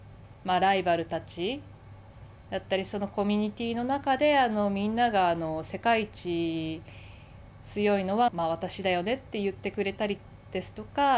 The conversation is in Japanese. ライバルたちだったりそのコミュニティーの中でみんなが、世界一強いのは私だよねって言ってくれたりですとか